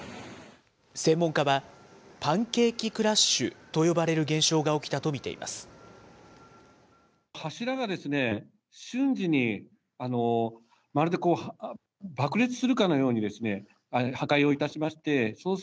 専門家は、パンケーキクラッシュと呼ばれる現象が起きたと見ています。